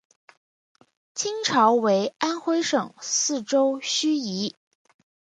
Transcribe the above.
清朝为安徽省泗州盱眙。